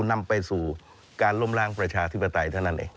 นำไปสู่การล้มล้างประชาธิปไตยเท่านั้นเอง